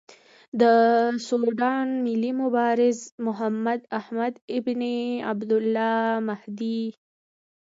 د سوډان ملي مبارز محمداحمد ابن عبدالله المهدي.